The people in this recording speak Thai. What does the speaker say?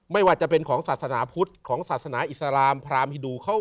ไม่ว่าจะเป็นของศาสนาพุทธของศาสนาอิสลามพรามฮิดู